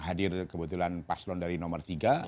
hadir kebetulan paslon dari nomor tiga